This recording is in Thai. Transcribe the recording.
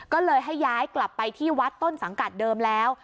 ก็เลยให้ย้ายกลับไปที่วัดต้นสังกัดเดิมแล้ว